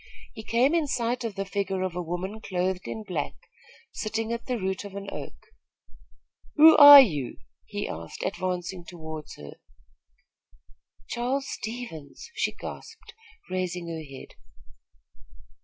He came in sight of the figure of a woman clothed in black, sitting at the root of an oak. "Who are you?" he asked, advancing toward her. "Charles Stevens!" she gasped, raising her head.